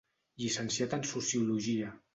Llicenciat en sociologia.